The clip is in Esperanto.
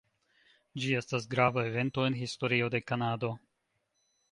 Ĝi estas grava evento en historio de Kanado.